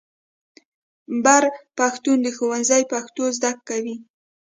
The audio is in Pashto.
بر پښتون د ښوونځي پښتو زده کوي.